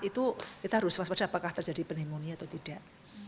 itu kita harus waspada apakah terjadi pneumonia atau tidak